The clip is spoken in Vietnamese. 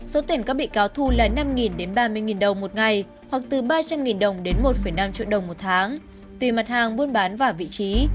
số tiền các bị cáo thu là năm đến ba mươi đồng một ngày hoặc từ ba trăm linh đồng đến một năm triệu đồng một tháng tùy mặt hàng buôn bán và vị trí